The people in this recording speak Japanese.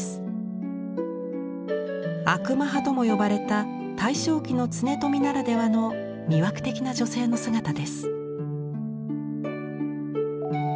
「悪魔派」とも呼ばれた大正期の恒富ならではの魅惑的な女性の姿です。